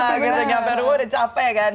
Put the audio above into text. gak bisa nyampe rumah udah capek kan